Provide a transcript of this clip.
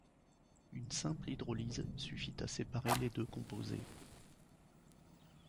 Une simple hydrolyse suffit à séparer les deux composés.